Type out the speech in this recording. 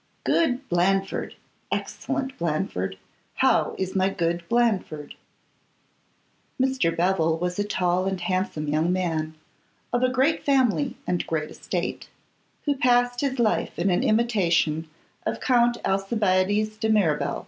Good Blandford, excellent Blandford, how is my good Blandford?' Mr. Bevil was a tall and handsome young man, of a great family and great estate, who passed his life in an imitation of Count Alcibiades de Mirabel.